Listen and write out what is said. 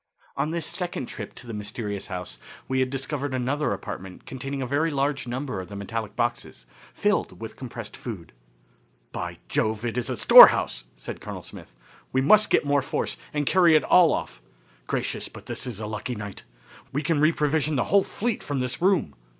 On this second trip to the mysterious house we had discovered another apartment containing a very large number of the metallic boxes, filled with compressed food. "By Jove, it is a store house," said Colonel Smith. "We must get more force and carry it all off. Gracious, but this is a lucky night. We can reprovision the whole fleet from this room."